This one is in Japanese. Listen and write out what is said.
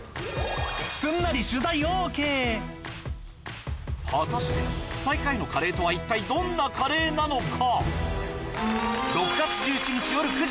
すんなり果たして最下位のカレーとは一体どんなカレーなのか・